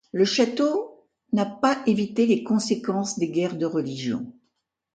Le château n'a pas évité les conséquences des guerres de religion.